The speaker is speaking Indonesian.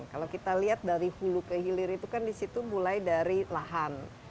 kalau kita lihat dari hulu ke hilir itu kan di situ mulai dari lahan